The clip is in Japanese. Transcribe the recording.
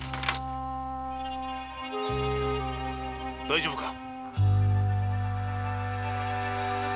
大丈夫か？